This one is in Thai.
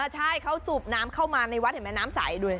ใช่เขาสูบน้ำเข้ามาในวัดเห็นไหมน้ำใสดู